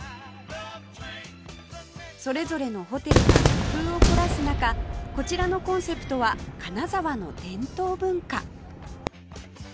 それぞれのホテルが工夫を凝らす中こちらのコンセプトは金沢の伝統文化